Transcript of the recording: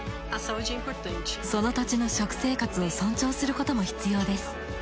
その土地の食生活を尊重することも必要です。